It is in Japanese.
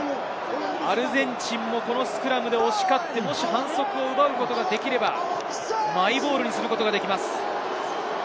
アルゼンチンも、このスクラムで押し勝って反則を奪うことができれば、マイボールにすることができます。